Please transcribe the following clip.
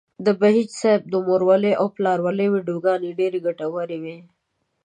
د بهيج صاحب د مورولۍ او پلارولۍ ويډيوګانې ډېرې ګټورې وې.